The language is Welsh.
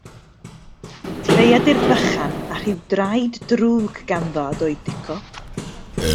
Creadur bychan a rhyw draed drwg ganddo ydoedd Dico.